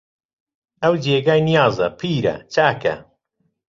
ئەوە جێگای نیازە، پیرە، چاکە